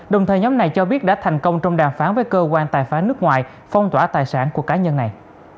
đồng thời nhóm này cho biết đã thành công trong đàm phán với cơ quan tài phán nước ngoài phong tỏa tài sản của cá nhân này